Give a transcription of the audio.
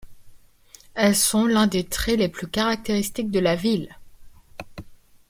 Elles sont l'un des traits les plus caractéristiques de la ville.